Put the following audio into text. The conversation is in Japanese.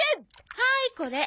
はいこれ。